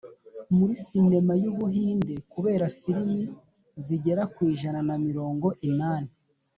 muri cinema y’ubuhinde kubera filimi zigera ku ijana na mirongo inani